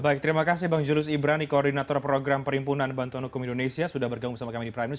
baik terima kasih bang julius ibrani koordinator program perimpunan bantuan hukum indonesia sudah bergabung bersama kami di prime news